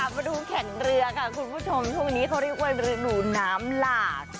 มาดูแข่งเรือค่ะคุณผู้ชมช่วงนี้เขาเรียกว่าฤดูน้ำหลาก